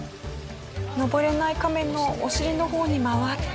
登れないカメのお尻の方に回って。